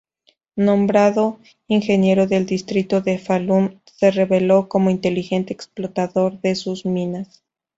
Nombrado ingeniero del distrito de Falun, se reveló como inteligente explotador de sus minas.